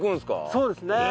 そうですね。